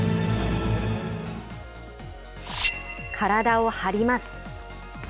体を張ります。